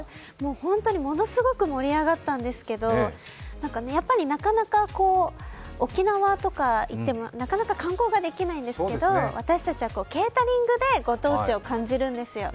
本当にものすごく盛り上がったんですけど、やっぱりなかなか沖縄とか行っても観光ができないんですけど私たちはケータリングでご当地を感じるんですよ。